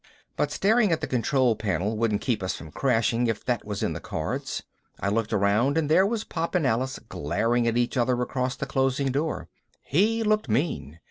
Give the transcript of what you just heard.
But staring at the control panel wouldn't keep us from crashing if that was in the cards. I looked around and there were Pop and Alice glaring at each other across the closing door. He looked mean.